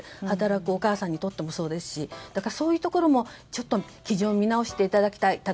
働くお母さんにとってもそうですしだから、そういうところも基準を見直していただけたい。